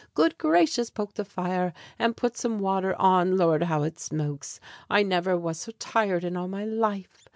Good gracious! poke the fire And put some water on. Lord, how it smokes! I never was so tired in all my life!